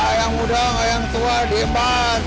ayang muda ayang tua diem at